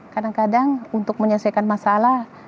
kadang kadang untuk menyelesaikan masalah